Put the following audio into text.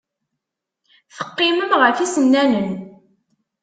Teqqimem ɣef yisennanen.